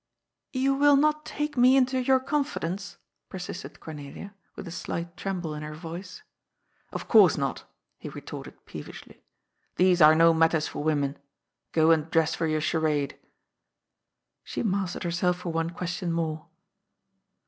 " You will not take me into your confidence ?" per sisted Cornelia, with a slight tremble in her Yoice. " Of course not," he retorted peevishly. " These are no matters for women. Go and dress for your charade." She mastered herself for one question more.